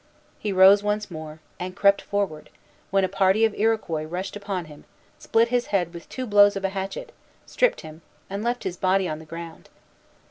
He rose once more, and again crept forward, when a party of Iroquois rushed upon him, split his head with two blows of a hatchet, stripped him, and left his body on the ground.